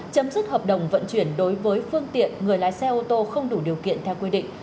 chấm dứt hợp đồng vận chuyển đối với phương tiện người lái xe ô tô không đủ điều kiện theo quy định